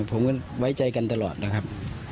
ผมก็ไว้ใจกันตลอดนะครับ